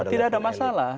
tidak ada masalah